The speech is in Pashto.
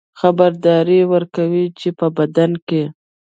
خبرداری ورکوي چې په بدن کې